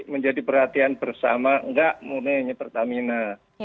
menjadi perhatian bersama enggak murni hanya pertamina